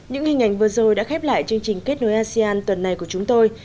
những hình ảnh vừa rồi đã khép lại chương trình kết nối asean tuần này của chúng tôi